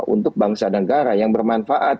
untuk bangsa dan negara yang bermanfaat